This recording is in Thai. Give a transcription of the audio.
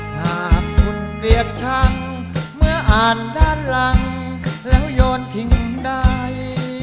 หากคุณเกลียดชังเมื่ออ่านด้านหลังแล้วโยนทิ้งใด